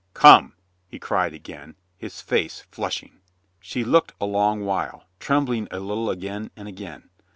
"Come!" he cried again, his face flushing. She looked a long while, trembling a little again and again.